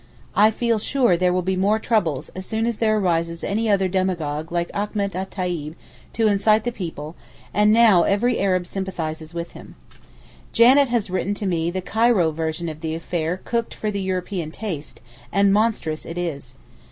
I feel sure there will be more troubles as soon as there arises any other demagogue like Achmet et Tayib to incite the people and now every Arab sympathises with him. Janet has written me the Cairo version of the affair cooked for the European taste—and monstrous it is.